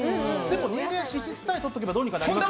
人間、脂質さえとっておけばどうにかなるんで。